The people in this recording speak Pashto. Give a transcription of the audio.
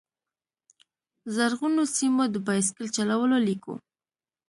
زرغونو سیمو، د بایسکل چلولو لیکو